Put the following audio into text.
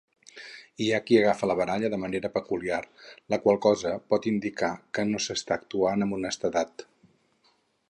Hi ha qui agafa la baralla de manera peculiar, la qual cosa por indicar que no s'està actuant amb honestedat.